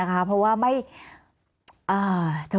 มีความรู้สึกว่าเสียใจ